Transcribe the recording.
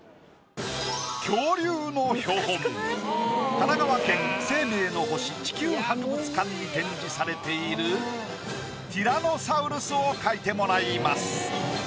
神奈川県生命の星・地球博物館に展示されているティラノサウルスを描いてもらいます。